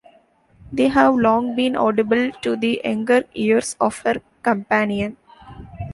They have long been audible to the younger ears of her companion.